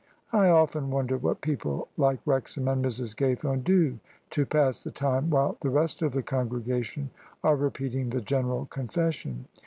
I often wonder what people like Wrexham and Mrs. Ga3rthome do to pass the time while the rest of the congregation are repeating the General Con fession.